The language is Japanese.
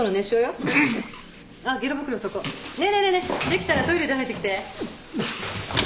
できたらトイレで吐いてきて。